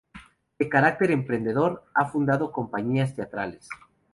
De carácter emprendedor, ha fundado compañías teatrales.